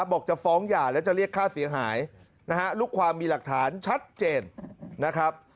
บอกจะฟ้องหย่าแล้วจะเรียกค่าเสียหายนะฮะลูกความมีหลักฐานชัดเจนนะครับ